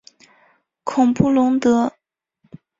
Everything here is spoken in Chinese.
孔布龙德。